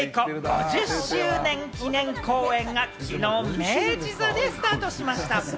５０周年記念公演がきのう明治座でスタートしました。